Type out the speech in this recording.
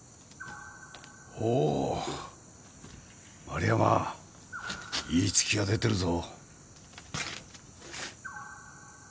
丸山いい月が出てるぞ。